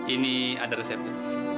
ini ada resepnya